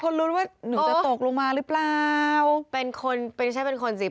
คนลุ้นว่านี่จะตกลงมาหรือเปล่า